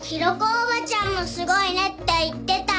おばちゃんもすごいねって言ってた。